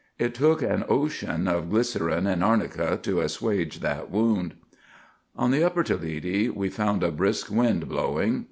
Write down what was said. It took an ocean of glycerine and arnica to assuage that wound. On the upper Toledi we found a brisk wind blowing.